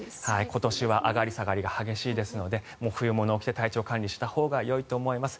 今年は上がり下がりが激しいので、冬物を着て体調管理したほうがよいと思います。